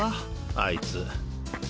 あいつ。